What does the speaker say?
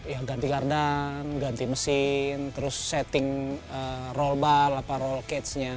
ya ganti kardan ganti mesin terus setting roll bar atau roll cage nya